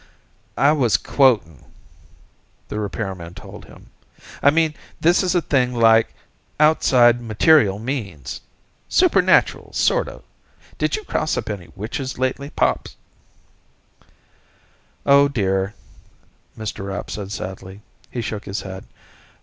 "I was quoting," the repairman told him. "I mean, this is a thing like, outside material means. Supernatural, sort of. Did you cross up any witches lately, Pops?" "Oh, dear," Mr. Rapp said sadly. He shook his head.